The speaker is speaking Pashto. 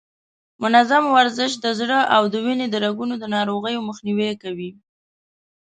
منظم ورزش د زړه او د وینې د رګونو د ناروغیو مخنیوی کوي.